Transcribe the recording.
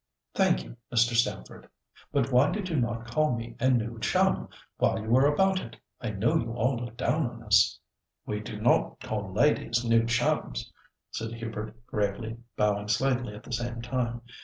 "Thank you, Mr. Stamford. But why did you not call me a 'new chum' while you were about it? I know you all look down on us." "We do not call ladies 'new chums,'" said Hubert gravely, bowing slightly at the same time.